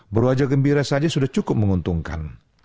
berwajah gembira saja sudah cukup menguntungkan